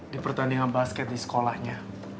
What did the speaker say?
di pertandingan basket di sekolahnya